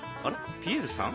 ピエールさん